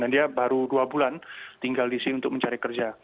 dan dia baru dua bulan tinggal di sini untuk mencari kerja